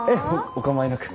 お構いなく。